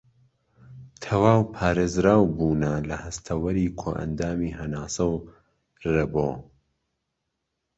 تەواو پارێزراوبوونە لە هەستەوەری کۆئەندامی هەناسە و رەبۆ